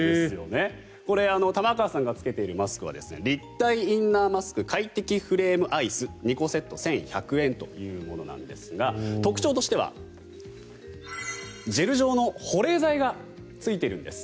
これ、玉川さんが着けているマスクは立体インナーマスク快適フレームＩＣＥ２個セット１１００円というものなんですが特徴としてはジェル状の保冷剤がついているんです。